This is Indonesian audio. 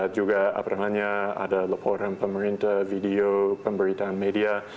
juga apa namanya ada laporan pemerintah video pemberitaan media